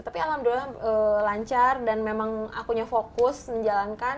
tapi alhamdulillah lancar dan memang akunya fokus menjalankan